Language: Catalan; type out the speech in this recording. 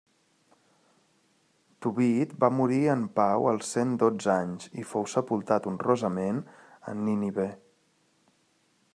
Tobit va morir en pau als cent dotze anys i fou sepultat honrosament a Nínive.